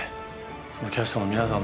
そのキャストの皆さん